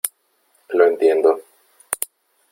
lo entiendo .